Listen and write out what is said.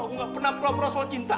aku gak pernah pura pura soal cinta